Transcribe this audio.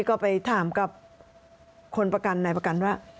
ก็ไปถามกับคนประกันนายประกันว่า